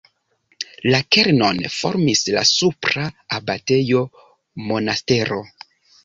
La kernon formis la supra abatejo Monastero.